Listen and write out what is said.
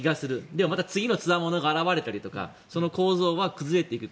でも次のつわものが現れたりとかその構造が崩れていく。